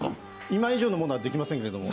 今以上のものはできませんけども。